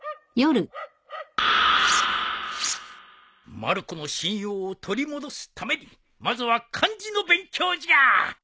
まる子の信用を取り戻すためにまずは漢字の勉強じゃ。